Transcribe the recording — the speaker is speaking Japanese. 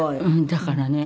「だからね